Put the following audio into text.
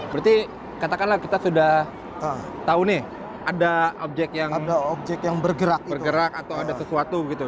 berarti katakanlah kita sudah tahu nih ada objek yang bergerak bergerak atau ada sesuatu gitu